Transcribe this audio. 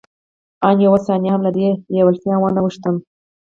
آن يوه ثانيه هم له دې لېوالتیا وانه وښتم.